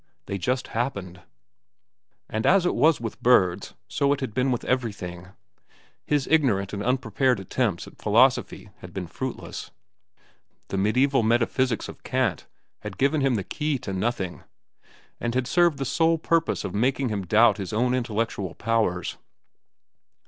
They just happened. And as it was with birds, so had it been with everything. His ignorant and unprepared attempts at philosophy had been fruitless. The medieval metaphysics of Kant had given him the key to nothing, and had served the sole purpose of making him doubt his own intellectual powers.